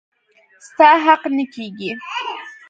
ستا حق نه کيږي.